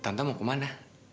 tante mau kemana